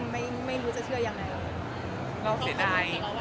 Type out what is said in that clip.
ไม่รู้ว่าจะเชื่อยังไง